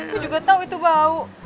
gue juga tau itu bau